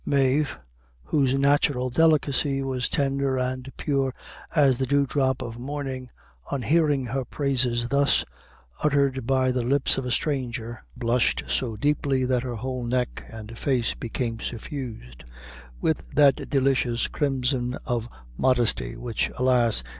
Mave, whose natural delicacy was tender and pure as the dew drop of morning, on hearing her praises thus uttered by the lips of a stranger, blushed so deeply, that her whole neck and face became suffused with that delicious crimson of modesty which, alas!